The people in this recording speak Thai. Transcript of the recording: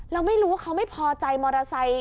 เราไม่รู้ว่าเขาไม่พอใจมอเตอร์ไซค์